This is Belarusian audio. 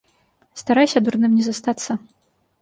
Старайся дурным не застацца.